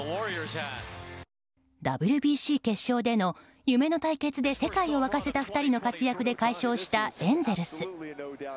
ＷＢＣ決勝での夢の対決で世界を沸かせた２人の活躍で快勝したエンゼルス。